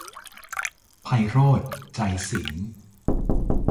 ไพโรจน์ ใจสิงห์